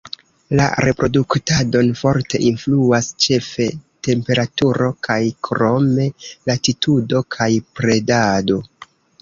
La reproduktadon forte influas ĉefe temperaturo kaj krome latitudo kaj predado.